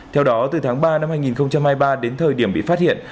theo đó từ tháng ba năm hai nghìn hai mươi ba đến thời điểm bị phát hiện